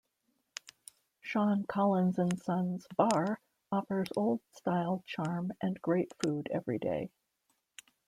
Sean Collins and sons bar offers old style charm and great food every day.